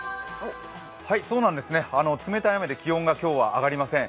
冷たい雨で気温が今日は上がりません。